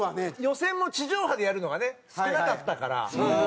予選も地上波でやるのがね少なかったから。